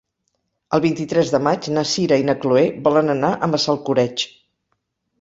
El vint-i-tres de maig na Sira i na Chloé volen anar a Massalcoreig.